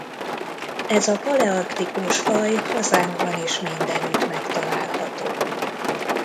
Ez a palearktikus faj hazánkban is mindenütt megtalálható.